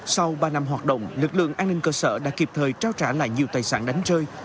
sau ba năm hoạt động lực lượng an ninh cơ sở đã kịp thời trao trả lại nhiều tài sản đánh rơi